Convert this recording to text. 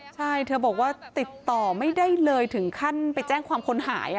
ใช่เธอบอกว่าติดต่อไม่ได้เลยถึงขั้นไปแจ้งความคนหาย